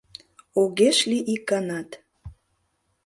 Огеш лий ик ганат.